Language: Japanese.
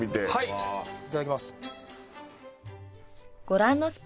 いただきます。